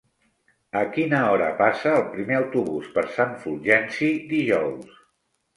A quina hora passa el primer autobús per Sant Fulgenci dijous?